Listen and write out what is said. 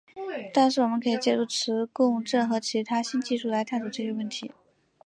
但是我们可以借助磁共振和其他新技术来探索这些问题。